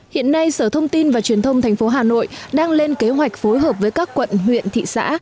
hiện nay sở thông tin và truyền thông tp hà nội đang lên kế hoạch phối hợp với các quận huyện thị xã